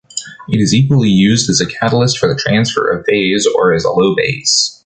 It is equally used as a catalyst for the transfer of phase or as a low base.